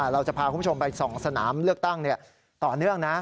เราจะพาคุณผู้ชมไปส่องสนามเลือกตั้งต่อเนื่องนะ